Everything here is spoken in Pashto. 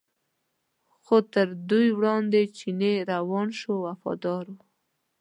خو تر دوی وړاندې چینی روان شو وفاداره و.